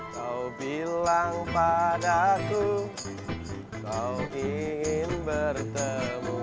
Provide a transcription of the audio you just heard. kau bilang padaku kau ingin bertemu